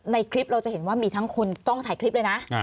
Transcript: ในคลิปเราจะเห็นว่ามีทั้งคนต้องถ่ายคลิปเลยนะ